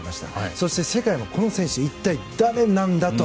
そして、世界もこの選手一体誰なんだと。